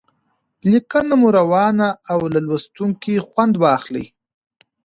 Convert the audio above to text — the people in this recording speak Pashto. لیکنه مو روانه او له لوستونکي خوند واخلي.